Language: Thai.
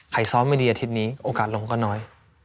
ซ้อมไม่ดีอาทิตย์นี้โอกาสลงก็น้อย